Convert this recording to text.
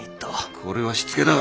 これはしつけだ！